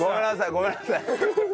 ごめんなさい。